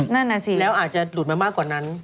นั่นน่ะสิแล้วอาจจะหลุดมามากกว่านั้น